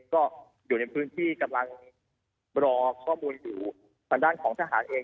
ก็อยู่ในพื้นที่กำลังรอข้อมูลอยู่ทางด้านของทหารเอง